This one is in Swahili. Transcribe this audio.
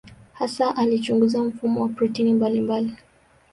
Hasa alichunguza mfumo wa protini mbalimbali.